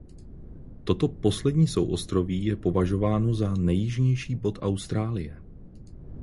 Toto poslední souostroví je považováno za nejjižnější bod Austrálie.